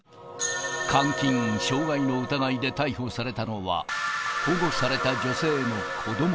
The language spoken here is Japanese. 監禁・傷害の疑いで逮捕されたのは、保護された女性の子ども